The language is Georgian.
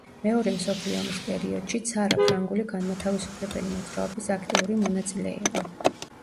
მეორე მსოფლიო ომის პერიოდში ცარა ფრანგული განმათავისუფლებელი მოძრაობის აქტიური მონაწილე იყო.